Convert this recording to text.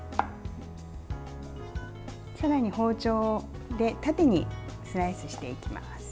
さらに包丁で縦にスライスしていきます。